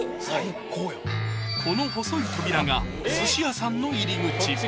この細い扉が寿司屋さんの入口